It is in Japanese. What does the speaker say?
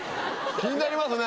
気になりますね！